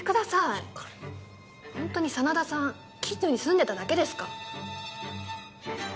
しっかりホントに真田さん近所に住んでただけですか？